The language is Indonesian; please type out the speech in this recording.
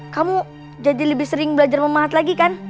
kamu jadi lebih sering belajar memahat lagi kan